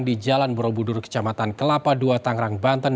di jalan borobudur kecamatan kelapa ii tangerang banten